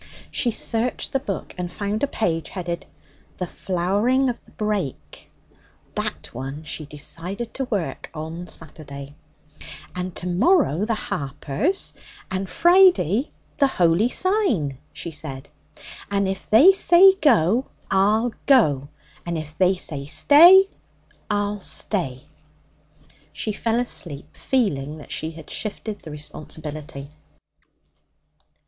She searched the book and found a page headed 'The Flowering of the Brake.' That one she decided to work on Saturday. 'And to morrow the Harpers, and Friday the Holy Sign,' she said. 'And if they say go, I'll go, and if they say stay, I'll stay.' She fell asleep, feeling that she had shifted the responsibility.